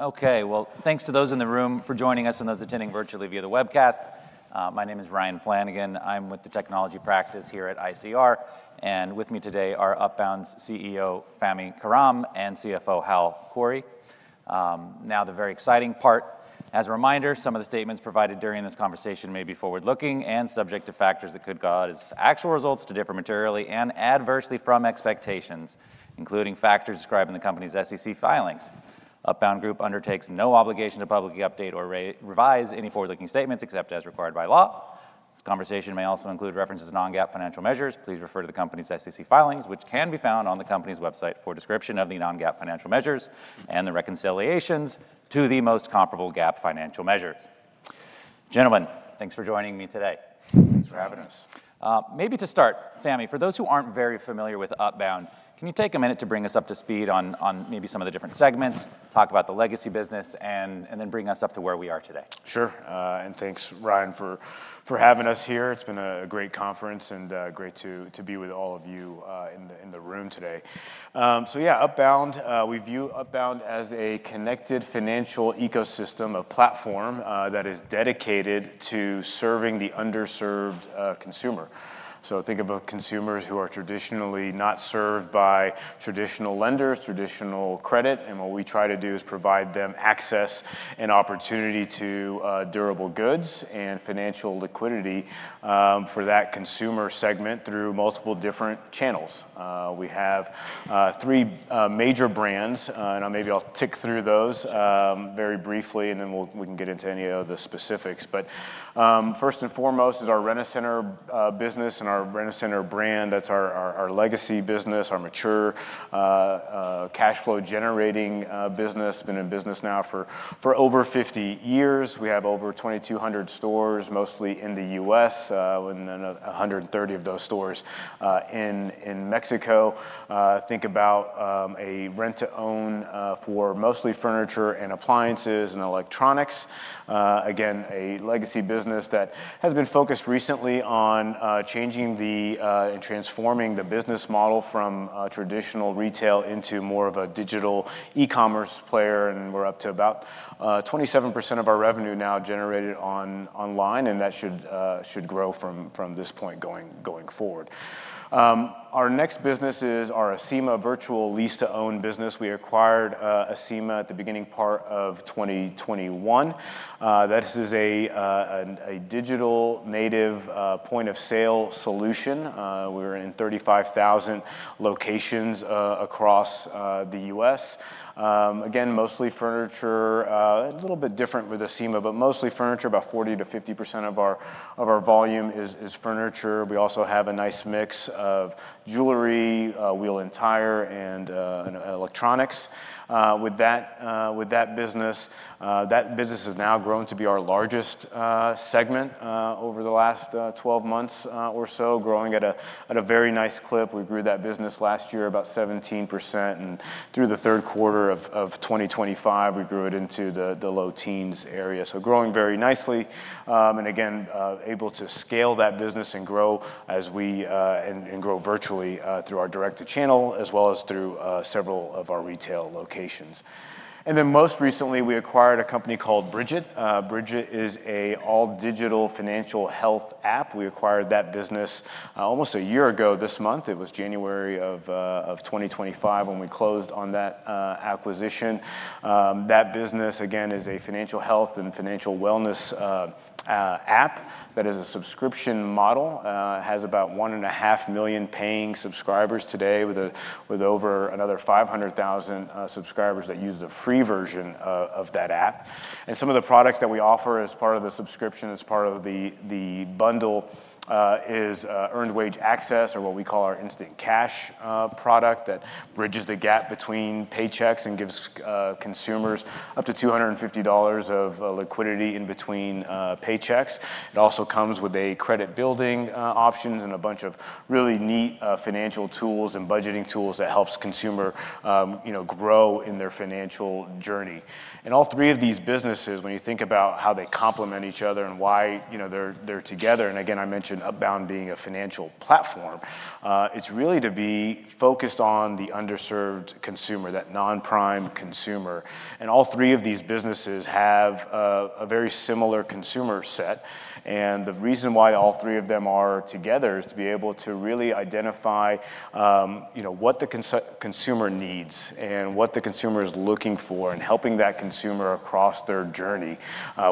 Okay, well, thanks to those in the room for joining us and those attending virtually via the webcast. My name is Ryan Flanagan. I'm with the Technology Practice here at ICR. And with me today are Upbound's CEO, Fahmi Karam, and CFO, Hal Khouri. Now, the very exciting part. As a reminder, some of the statements provided during this conversation may be forward-looking and subject to factors that could cause actual results to differ materially and adversely from expectations, including factors described in the company's SEC filings. Upbound Group undertakes no obligation to publicly update or revise any forward-looking statements except as required by law. This conversation may also include references to non-GAAP financial measures. Please refer to the company's SEC filings, which can be found on the company's website for a description of the non-GAAP financial measures and the reconciliations to the most comparable GAAP financial measures. Gentlemen, thanks for joining me today. Thanks for having us. Maybe to start, Fahmi, for those who aren't very familiar with Upbound, can you take a minute to bring us up to speed on maybe some of the different segments, talk about the legacy business, and then bring us up to where we are today? Sure. And thanks, Ryan, for having us here. It's been a great conference and great to be with all of you in the room today. So yeah, Upbound, we view Upbound as a connected financial ecosystem of platform that is dedicated to serving the underserved consumer. So think of consumers who are traditionally not served by traditional lenders, traditional credit. And what we try to do is provide them access and opportunity to durable goods and financial liquidity for that consumer segment through multiple different channels. We have three major brands, and maybe I'll tick through those very briefly, and then we can get into any of the specifics. But first and foremost is our Rent-A-Center business and our Rent-A-Center brand. That's our legacy business, our mature cash flow generating business. It's been in business now for over 50 years. We have over 2,200 stores, mostly in the U.S., and 130 of those stores in Mexico. Think about a rent-to-own for mostly furniture and appliances and electronics. Again, a legacy business that has been focused recently on changing and transforming the business model from traditional retail into more of a digital e-commerce player. And we're up to about 27% of our revenue now generated online, and that should grow from this point going forward. Our next business is our Acima virtual lease-to-own business. We acquired Acima at the beginning part of 2021. That is a digital native point of sale solution. We're in 35,000 locations across the U.S. Again, mostly furniture, a little bit different with Acima, but mostly furniture. About 40%-50% of our volume is furniture. We also have a nice mix of jewelry, wheel and tire, and electronics. With that business, that business has now grown to be our largest segment over the last 12 months or so, growing at a very nice clip. We grew that business last year about 17%. And through the third quarter of 2025, we grew it into the low teens area. So growing very nicely. And again, able to scale that business and grow virtually through our direct-to-consumer channel as well as through several of our retail locations. And then most recently, we acquired a company called Brigit. Brigit is an all-digital financial health app. We acquired that business almost a year ago this month. It was January of 2025 when we closed on that acquisition. That business, again, is a financial health and financial wellness app that is a subscription model. It has about 1.5 million paying subscribers today with over another 500,000 subscribers that use the free version of that app. And some of the products that we offer as part of the subscription, as part of the bundle, is earned wage access or what we call our Instant Cash product that bridges the gap between paychecks and gives consumers up to $250 of liquidity in between paychecks. It also comes with credit building options and a bunch of really neat financial tools and budgeting tools that help consumers grow in their financial journey. And all three of these businesses, when you think about how they complement each other and why they're together, and again, I mentioned Upbound being a financial platform, it's really to be focused on the underserved consumer, that non-prime consumer. And all three of these businesses have a very similar consumer set. And the reason why all three of them are together is to be able to really identify what the consumer needs and what the consumer is looking for and helping that consumer across their journey,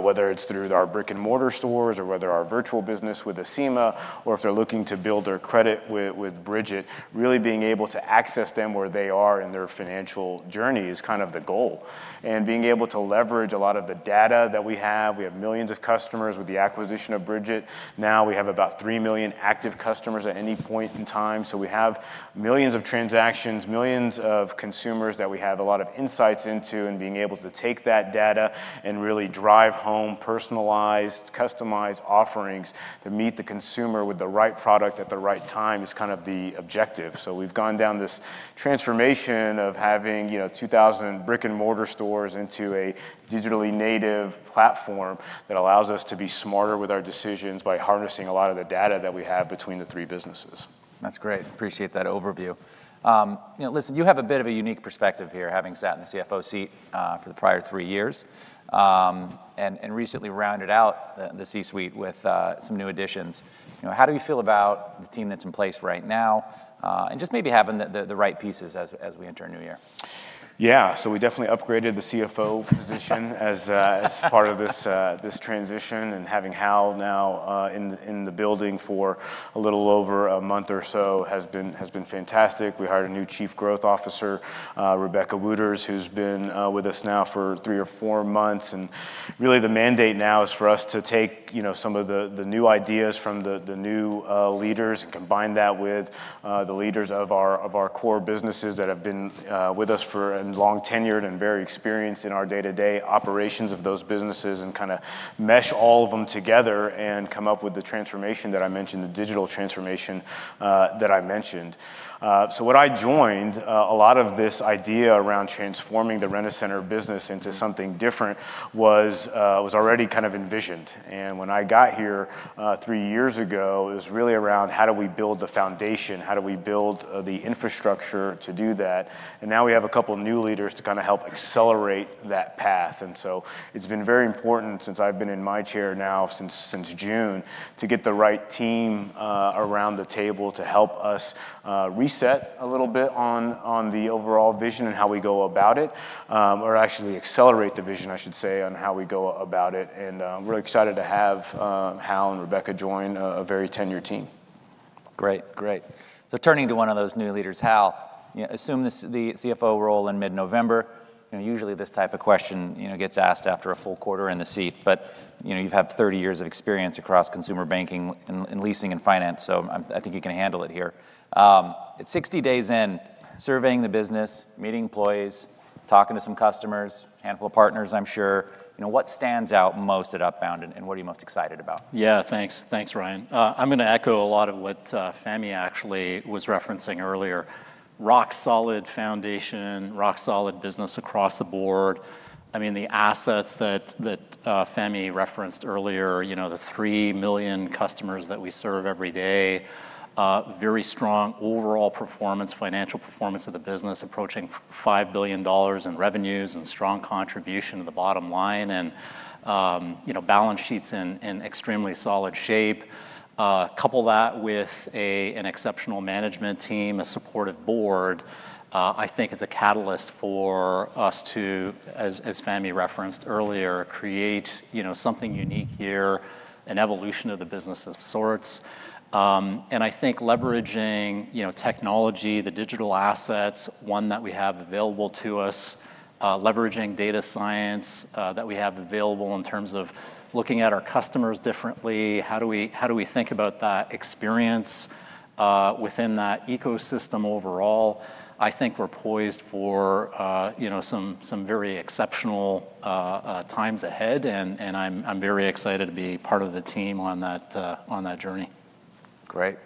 whether it's through our brick-and-mortar stores or whether our virtual business with Acima or if they're looking to build their credit with Brigit, really being able to access them where they are in their financial journey is kind of the goal. And being able to leverage a lot of the data that we have. We have millions of customers with the acquisition of Brigit. Now we have about three million active customers at any point in time. So we have millions of transactions, millions of consumers that we have a lot of insights into and being able to take that data and really drive home personalized, customized offerings to meet the consumer with the right product at the right time is kind of the objective. So we've gone down this transformation of having 2,000 brick-and-mortar stores into a digitally native platform that allows us to be smarter with our decisions by harnessing a lot of the data that we have between the three businesses. That's great. Appreciate that overview. Listen, you have a bit of a unique perspective here, having sat in the CFO seat for the prior three years and recently rounded out the C-suite with some new additions. How do you feel about the team that's in place right now and just maybe having the right pieces as we enter a new year? Yeah, so we definitely upgraded the CFO position as part of this transition. And having Hal now in the building for a little over a month or so has been fantastic. We hired a new Chief Growth Officer, Rebecca Wooters, who's been with us now for three or four months. And really, the mandate now is for us to take some of the new ideas from the new leaders and combine that with the leaders of our core businesses that have been with us for a long tenure and very experienced in our day-to-day operations of those businesses and kind of mesh all of them together and come up with the transformation that I mentioned, the digital transformation that I mentioned. So when I joined, a lot of this idea around transforming the Rent-A-Center business into something different was already kind of envisioned. And when I got here three years ago, it was really around how do we build the foundation, how do we build the infrastructure to do that. And now we have a couple of new leaders to kind of help accelerate that path. And so it's been very important since I've been in my chair now since June to get the right team around the table to help us reset a little bit on the overall vision and how we go about it or actually accelerate the vision, I should say, on how we go about it. And I'm really excited to have Hal and Rebecca join a very tenured team. Great, great. So turning to one of those new leaders, Hal, assume the CFO role in mid-November. Usually, this type of question gets asked after a full quarter in the seat. But you have 30 years of experience across consumer banking and leasing and finance, so I think you can handle it here. At 60 days in, surveying the business, meeting employees, talking to some customers, a handful of partners, I'm sure. What stands out most at Upbound and what are you most excited about? Yeah, thanks, Ryan. I'm going to echo a lot of what Fahmi actually was referencing earlier. Rock-solid foundation, rock-solid business across the board. I mean, the assets that Fahmi referenced earlier, the three million customers that we serve every day, very strong overall performance, financial performance of the business, approaching $5 billion in revenues and strong contribution to the bottom line and balance sheets in extremely solid shape. Couple that with an exceptional management team, a supportive board. I think it's a catalyst for us to, as Fahmi referenced earlier, create something unique here, an evolution of the business of sorts. And I think leveraging technology, the digital assets, one that we have available to us, leveraging data science that we have available in terms of looking at our customers differently, how do we think about that experience within that ecosystem overall, I think we're poised for some very exceptional times ahead. And I'm very excited to be part of the team on that journey. Great.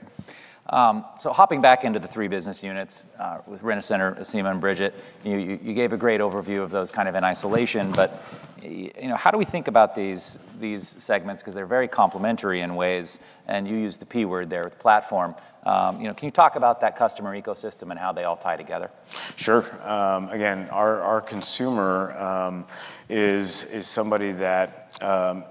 So hopping back into the three business units with Rent-A-Center, Acima, and Brigit, you gave a great overview of those kind of in isolation. But how do we think about these segments? Because they're very complementary in ways. And you used the P word there, platform. Can you talk about that customer ecosystem and how they all tie together? Sure. Again, our consumer is somebody that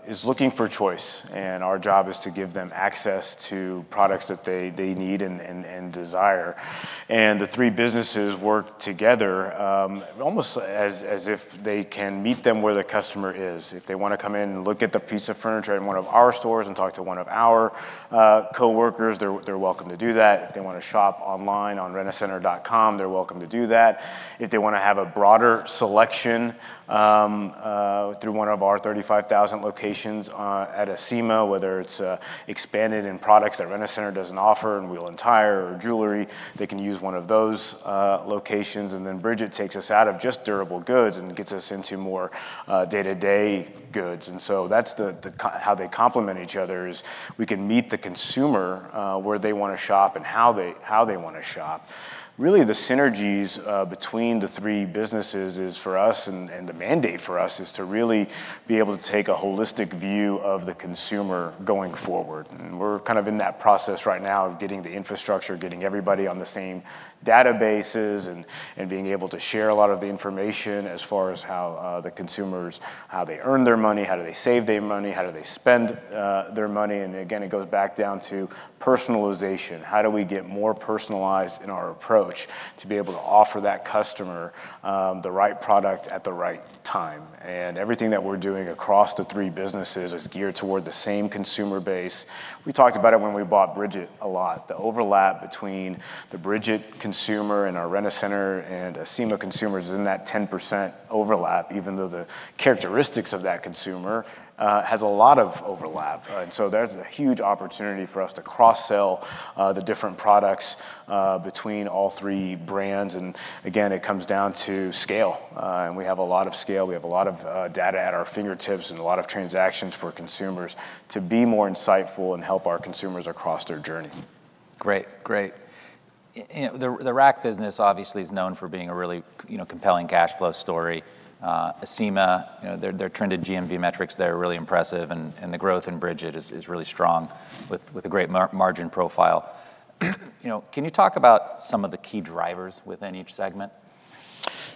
is looking for choice. And our job is to give them access to products that they need and desire. And the three businesses work together almost as if they can meet them where the customer is. If they want to come in and look at the piece of furniture in one of our stores and talk to one of our coworkers, they're welcome to do that. If they want to shop online on Rent-A-Center.com, they're welcome to do that. If they want to have a broader selection through one of our 35,000 locations at Acima, whether it's expanded in products that Rent-A-Center doesn't offer, wheel and tire, or jewelry, they can use one of those locations. And then Brigit takes us out of just durable goods and gets us into more day-to-day goods. And so that's how they complement each other is we can meet the consumer where they want to shop and how they want to shop. Really, the synergies between the three businesses is for us and the mandate for us is to really be able to take a holistic view of the consumer going forward. And we're kind of in that process right now of getting the infrastructure, getting everybody on the same databases, and being able to share a lot of the information as far as how the consumers, how they earn their money, how do they save their money, how do they spend their money. And again, it goes back down to personalization. How do we get more personalized in our approach to be able to offer that customer the right product at the right time? Everything that we're doing across the three businesses is geared toward the same consumer base. We talked about it when we bought Brigit a lot. The overlap between the Brigit consumer and our Rent-A-Center and Acima consumers is in that 10% overlap, even though the characteristics of that consumer has a lot of overlap. So there's a huge opportunity for us to cross-sell the different products between all three brands. Again, it comes down to scale. We have a lot of scale. We have a lot of data at our fingertips and a lot of transactions for consumers to be more insightful and help our consumers across their journey. Great, great. The RAC business obviously is known for being a really compelling cash flow story. Acima, their trended GMV metrics there are really impressive. And the growth in Brigit is really strong with a great margin profile. Can you talk about some of the key drivers within each segment?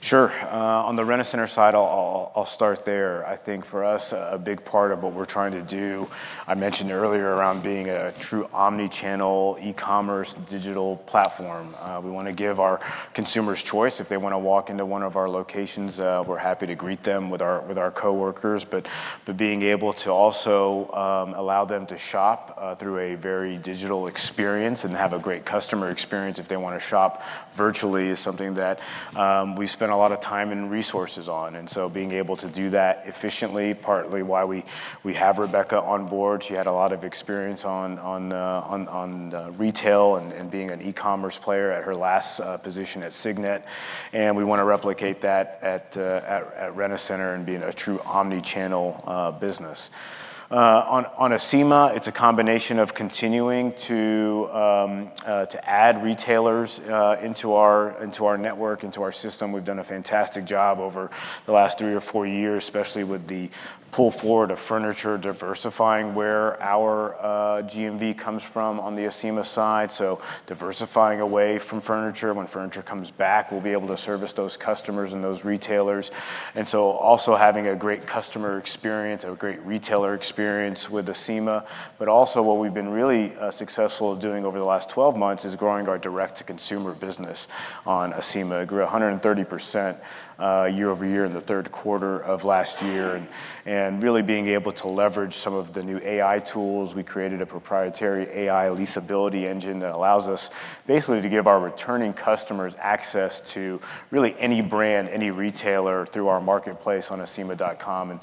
Sure. On the Rent-A-Center side, I'll start there. I think for us, a big part of what we're trying to do, I mentioned earlier around being a true omnichannel e-commerce digital platform. We want to give our consumers choice. If they want to walk into one of our locations, we're happy to greet them with our coworkers. But being able to also allow them to shop through a very digital experience and have a great customer experience if they want to shop virtually is something that we spend a lot of time and resources on. And so being able to do that efficiently is partly why we have Rebecca on board. She had a lot of experience on retail and being an e-commerce player at her last position at Signet. And we want to replicate that at Rent-A-Center and be in a true omnichannel business. On Acima, it's a combination of continuing to add retailers into our network, into our system. We've done a fantastic job over the last three or four years, especially with the pull forward of furniture, diversifying where our GMV comes from on the Acima side, so diversifying away from furniture. When furniture comes back, we'll be able to service those customers and those retailers and so also having a great customer experience, a great retailer experience with Acima but also what we've been really successful doing over the last 12 months is growing our direct-to-consumer business on Acima. It grew 130% year over year in the third quarter of last year and really being able to leverage some of the new AI tools. We created a proprietary AI leasability engine that allows us basically to give our returning customers access to really any brand, any retailer through our marketplace on Acima.com and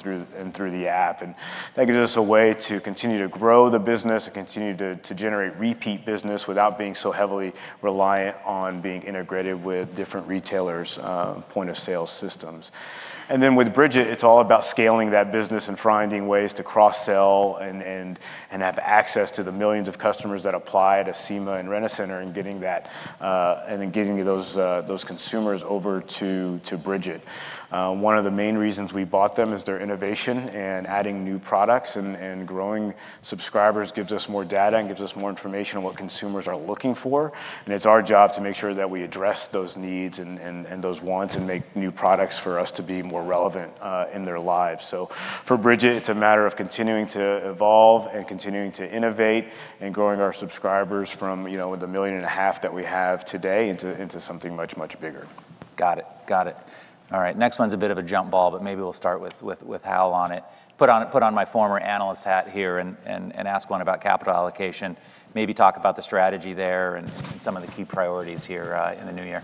through the app. And that gives us a way to continue to grow the business and continue to generate repeat business without being so heavily reliant on being integrated with different retailers' point of sale systems. And then with Brigit, it's all about scaling that business and finding ways to cross-sell and have access to the millions of customers that apply to Acima and Rent-A-Center and getting those consumers over to Brigit. One of the main reasons we bought them is their innovation and adding new products. And growing subscribers gives us more data and gives us more information on what consumers are looking for. It's our job to make sure that we address those needs and those wants and make new products for us to be more relevant in their lives. So for Brigit, it's a matter of continuing to evolve and continuing to innovate and growing our subscribers from the 1.5 million that we have today into something much, much bigger. Got it, got it. All right, next one's a bit of a jump ball, but maybe we'll start with Hal on it. Put on my former analyst hat here and ask one about capital allocation. Maybe talk about the strategy there and some of the key priorities here in the new year.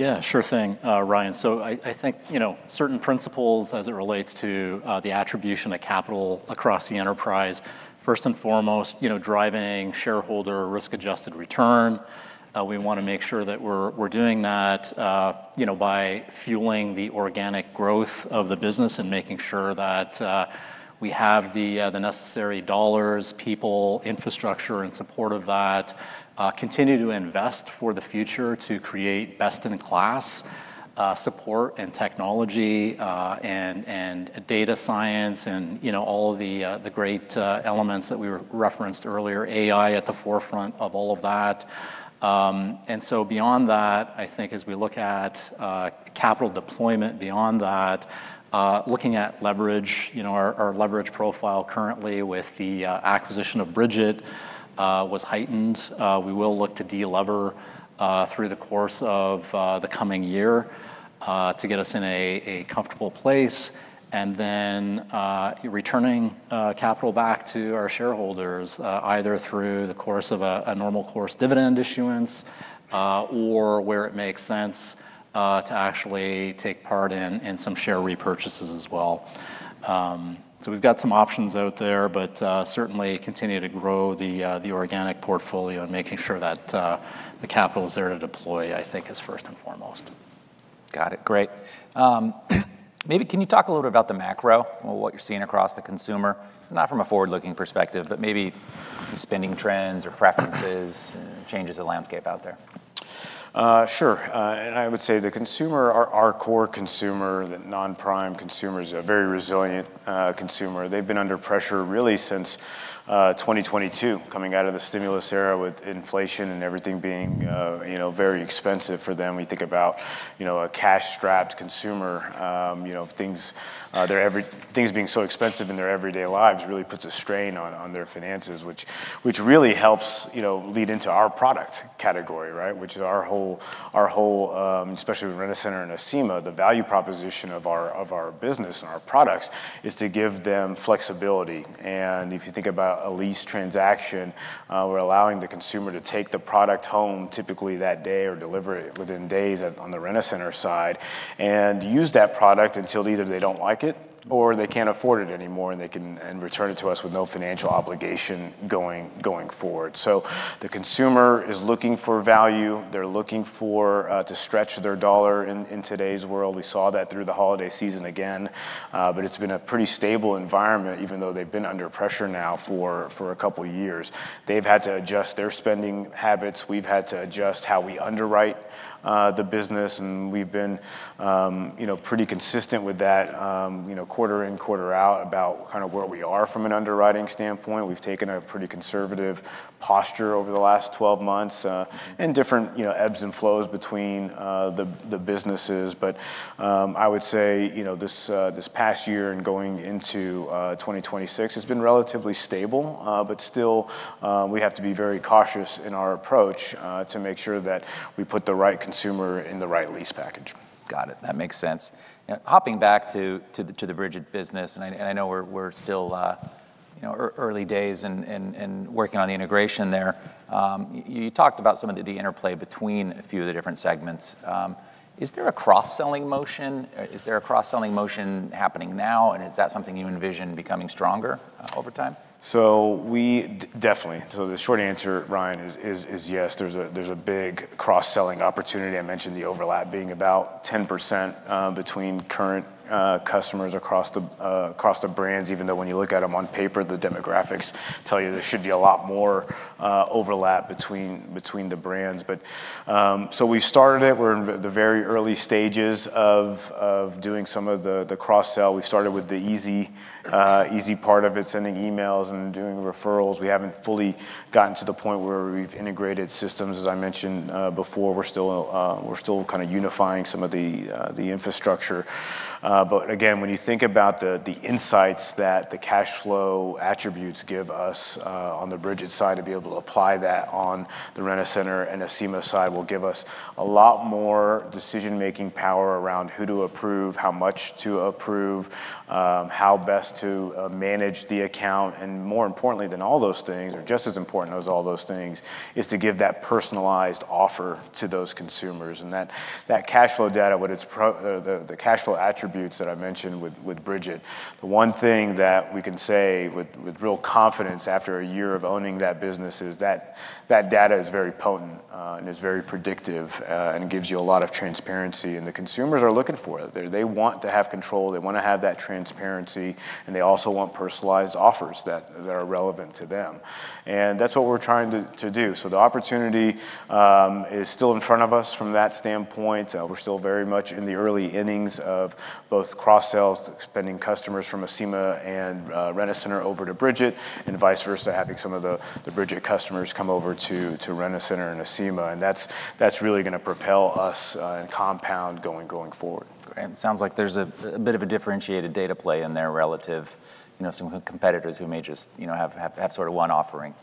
Yeah, sure thing, Ryan. So I think certain principles as it relates to the attribution of capital across the enterprise, first and foremost, driving shareholder risk-adjusted return. We want to make sure that we're doing that by fueling the organic growth of the business and making sure that we have the necessary dollars, people, infrastructure, and support of that. Continue to invest for the future to create best-in-class support and technology and data science and all of the great elements that we referenced earlier, AI at the forefront of all of that. And so beyond that, I think as we look at capital deployment beyond that, looking at leverage, our leverage profile currently with the acquisition of Brigit was heightened. We will look to delever through the course of the coming year to get us in a comfortable place. And then returning capital back to our shareholders, either through the course of a normal course dividend issuance or where it makes sense to actually take part in some share repurchases as well. So we've got some options out there, but certainly continue to grow the organic portfolio and making sure that the capital is there to deploy, I think, is first and foremost. Got it, great. Maybe can you talk a little bit about the macro, what you're seeing across the consumer, not from a forward-looking perspective, but maybe spending trends or preferences, changes of landscape out there? Sure. I would say the consumer, our core consumer, the non-prime consumer is a very resilient consumer. They've been under pressure really since 2022, coming out of the stimulus era with inflation and everything being very expensive for them. We think about a cash-strapped consumer. Things being so expensive in their everyday lives really puts a strain on their finances, which really helps lead into our product category, right, which is our whole, especially with Rent-A-Center and Acima, the value proposition of our business and our products is to give them flexibility. If you think about a lease transaction, we're allowing the consumer to take the product home typically that day or deliver it within days on the Rent-A-Center side and use that product until either they don't like it or they can't afford it anymore and return it to us with no financial obligation going forward. The consumer is looking for value. They're looking to stretch their dollar in today's world. We saw that through the holiday season again. It's been a pretty stable environment, even though they've been under pressure now for a couple of years. They've had to adjust their spending habits. We've had to adjust how we underwrite the business. We've been pretty consistent with that quarter in, quarter out about kind of where we are from an underwriting standpoint. We've taken a pretty conservative posture over the last 12 months and different ebbs and flows between the businesses. I would say this past year and going into 2026 has been relatively stable. Still, we have to be very cautious in our approach to make sure that we put the right consumer in the right lease package. Got it. That makes sense. Hopping back to the Brigit business. And I know we're still early days in working on the integration there. You talked about some of the interplay between a few of the different segments. Is there a cross-selling motion? Is there a cross-selling motion happening now? And is that something you envision becoming stronger over time? So definitely. So the short answer, Ryan, is yes. There's a big cross-selling opportunity. I mentioned the overlap being about 10% between current customers across the brands, even though when you look at them on paper, the demographics tell you there should be a lot more overlap between the brands. So we've started it. We're in the very early stages of doing some of the cross-sell. We've started with the easy part of it, sending emails and doing referrals. We haven't fully gotten to the point where we've integrated systems. As I mentioned before, we're still kind of unifying some of the infrastructure. But again, when you think about the insights that the cash flow attributes give us on the Brigit side, to be able to apply that on the Rent-A-Center and Acima side will give us a lot more decision-making power around who to approve, how much to approve, how best to manage the account. And more importantly than all those things, or just as important as all those things, is to give that personalized offer to those consumers. And that cash flow data, the cash flow attributes that I mentioned with Brigit, the one thing that we can say with real confidence after a year of owning that business is that data is very potent and is very predictive and gives you a lot of transparency. And the consumers are looking for it. They want to have control. They want to have that transparency. They also want personalized offers that are relevant to them. And that's what we're trying to do. So the opportunity is still in front of us from that standpoint. We're still very much in the early innings of both cross-sells, sending customers from Acima and Rent-A-Center over to Brigit and vice versa, having some of the Brigit customers come over to Rent-A-Center and Acima. And that's really going to propel us and compound going forward. Great. It sounds like there's a bit of a differentiated data play in there relative to some competitors who may just have sort of one offering.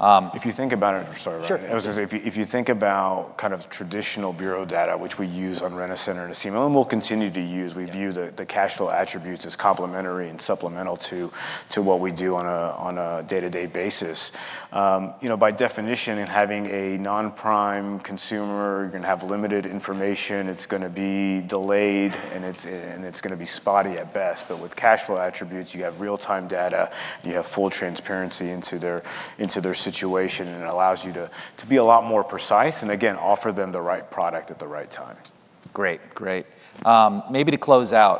If you think about it, I'm sorry, Ryan. Sure. I was going to say, if you think about kind of traditional bureau data, which we use on Rent-A-Center and Acima, and we'll continue to use, we view the cash flow attributes as complementary and supplemental to what we do on a day-to-day basis. By definition, in having a non-prime consumer, you're going to have limited information. It's going to be delayed, and it's going to be spotty at best. But with cash flow attributes, you have real-time data. You have full transparency into their situation. And it allows you to be a lot more precise and, again, offer them the right product at the right time. Great, great. Maybe to close out,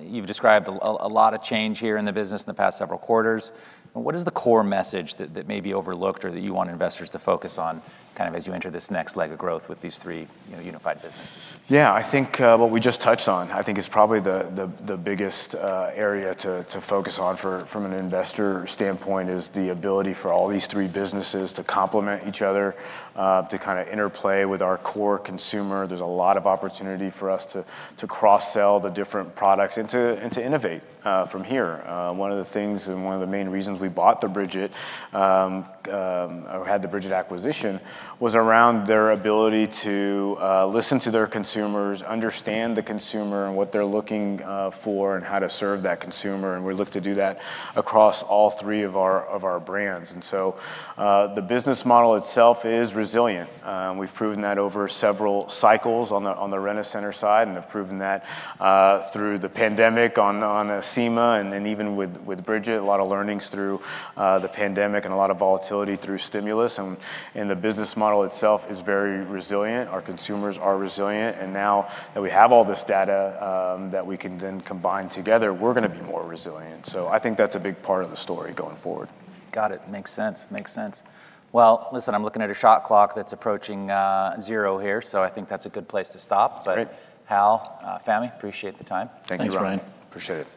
you've described a lot of change here in the business in the past several quarters. What is the core message that may be overlooked or that you want investors to focus on kind of as you enter this next leg of growth with these three unified businesses? Yeah, I think what we just touched on is probably the biggest area to focus on from an investor standpoint: the ability for all these three businesses to complement each other, to kind of interplay with our core consumer. There's a lot of opportunity for us to cross-sell the different products and to innovate from here. One of the things and one of the main reasons we bought Brigit, or had the Brigit acquisition, was around their ability to listen to their consumers, understand the consumer and what they're looking for, and how to serve that consumer. We look to do that across all three of our brands. The business model itself is resilient. We've proven that over several cycles on the Rent-A-Center side and have proven that through the pandemic on Acima and even with Brigit, a lot of learnings through the pandemic and a lot of volatility through stimulus, and the business model itself is very resilient. Our consumers are resilient, and now that we have all this data that we can then combine together, we're going to be more resilient, so I think that's a big part of the story going forward. Got it. Makes sense, makes sense. Well, listen, I'm looking at a shot clock that's approaching zero here. So I think that's a good place to stop. But Hal, Fahmi, appreciate the time. Thank you, Ryan. Thanks, Ryan. Appreciate it.